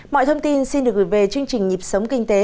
mọi thông tin xin được gửi về chương trình nhịp sống kinh tế